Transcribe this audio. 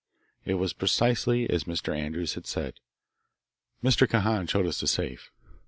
It was precisely as Mr. Andrews had said. Mr. Kahan showed us the safe.